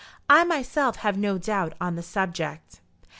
I myself have no doubt on the subject."